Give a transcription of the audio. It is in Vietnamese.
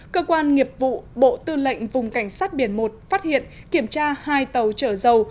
cơ quan nghiệp vụ bộ tư lệnh vùng cảnh sát biển một phát hiện kiểm tra hai tàu chở dầu